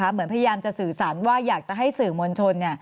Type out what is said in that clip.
พยายามจะสื่อสารว่าอยากจะให้สื่อมวลชน